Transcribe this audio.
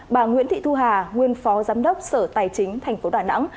bà nguyễn thị thu hà nguyên phó giám đốc sở tài chính tp đà nẵng